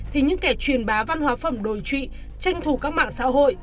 thì những kẻ truyền bá văn hóa phẩm đồi trụy tranh thủ các mạng xã hội